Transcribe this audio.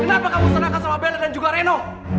kenapa kamu serahkan sama bella dan juga reno